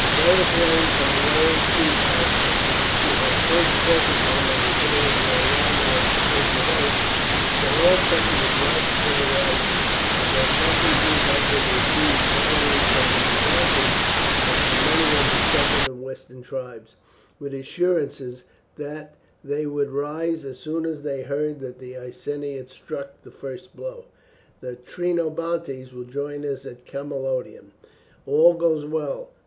Beric learned from the old chief Aska, who had first spoken to him on the day of their arrival at the sacred oak, that all Britain was ripe for the rising, and that messengers had been received not only from the Brigantes, but from many of the southern and western tribes, with assurances that they would rise as soon as they heard that the Iceni had struck the first blow. "The Trinobantes will join us at Camalodunum. All goes well.